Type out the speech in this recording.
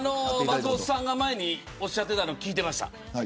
松本さんが前におっしゃっていたのを聞いてました。